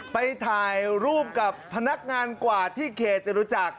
ไปถ่ายรูปกับพนักงานกวาดที่เขตจรุจักร